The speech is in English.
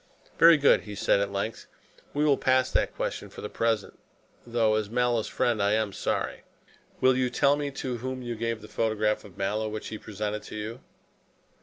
"Very good," he said at length, "we will pass that question for the present, though as Mallow's friend I am sorry. Will you tell me to whom you gave the photograph of Mallow which he presented to you?"